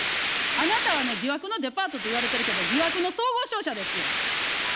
あなたはね、疑惑のデパートと言われているけど、疑惑の総合商社ですよ。